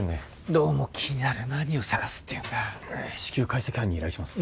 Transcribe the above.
どうも気になる何をさがすっていうんだ至急解析班に依頼します